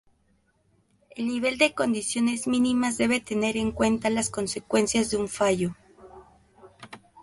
El nivel de condiciones mínimas debe tener en cuenta las consecuencias de un fallo.